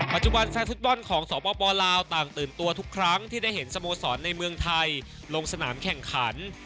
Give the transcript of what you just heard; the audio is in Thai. แฟนฟุตบอลของสปลาวต่างตื่นตัวทุกครั้งที่ได้เห็นสโมสรในเมืองไทยลงสนามแข่งขัน